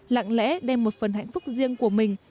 lặng lẽ đem một phần hạnh phúc riêng của mình